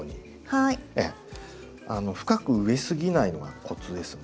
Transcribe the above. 深く植えすぎないのがコツですね。